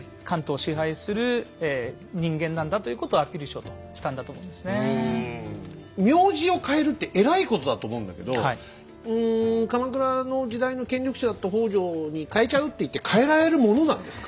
そういった意味では名字を変えるってえらいことだと思うんだけどうん鎌倉の時代の権力者だった北条に変えちゃうっていって変えられるものなんですか？